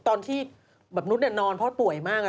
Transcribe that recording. ตอนที่พี่ตูนอนเพราะป่วยมาก